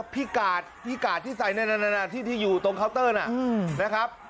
พี่กาดพี่กาดที่ใส่นั่นที่อยู่ตรงเคาน์เตอร์นะครับ